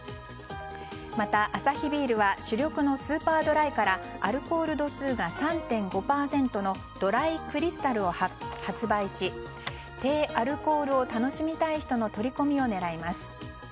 また、アサヒビールは主力のスーパードライからアルコール度数が３．５％のドライクリスタルを発売し低アルコールを楽しみたい人の取り込みを狙います。